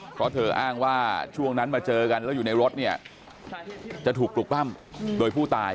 เพราะเธออ้างว่าช่วงนั้นมาเจอกันแล้วอยู่ในรถเนี่ยจะถูกปลุกปล้ำโดยผู้ตาย